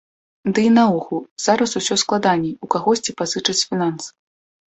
Ды і наогул зараз усё складаней у кагосьці пазычаць фінансы.